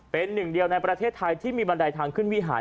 เป็นหนึ่งเดียวในประเทศไทยที่มีบันไดทางขึ้นวิหาร